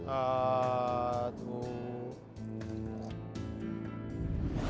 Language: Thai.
อ่าถูก